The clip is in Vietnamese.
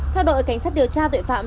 theo đội cảnh sát điều tra tội phạm